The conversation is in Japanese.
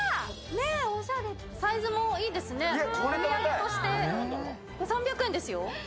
サイズもいいですね、お土産としてこれ３００円ですよ。